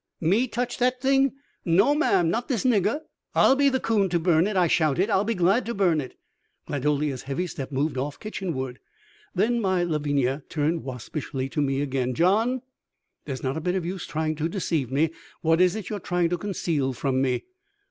Me touch dat t'ing? No, ma'am, not dis nigger!" "I'll be the coon to burn it," I shouted. "I'll be glad to burn it." Gladolia's heavy steps moved off kitchenward. Then my Lavinia turned waspishly to me again. "John, there's not a bit of use trying to deceive me. What is it you are trying to conceal from me?"